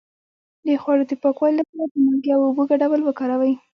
د خوړو د پاکوالي لپاره د مالګې او اوبو ګډول وکاروئ